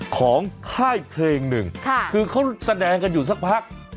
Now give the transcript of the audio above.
ค่ายเพลงหนึ่งคือเขาแสดงกันอยู่สักพัก